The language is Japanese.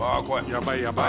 やばいやばい。